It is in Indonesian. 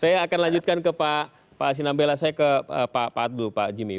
saya akan lanjutkan ke pak sinambela saya ke pak abdul pak jimmy